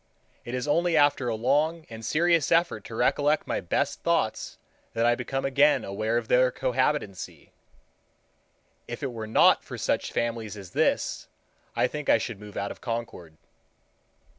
It is only after a long and serious effort to recollect my best thoughts that I become again aware of their cohabitancy. If it were not for such families as this, I think I should move out of Concord.